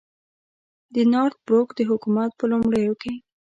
د نارت بروک د حکومت په لومړیو کې.